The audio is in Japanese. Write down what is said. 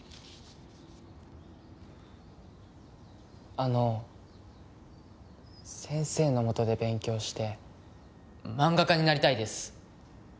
あの先生の下で勉強して漫画家になりたいです。